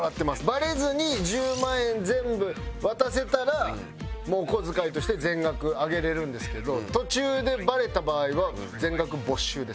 バレずに１０万円全部渡せたらもうお小遣いとして全額あげれるんですけど途中でバレた場合は全額没収です。